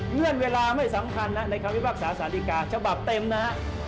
เงื่อนเวลาไม่สำคัญนะในความวิบัติศาสตร์สาธิกาฉบับเต็มนะ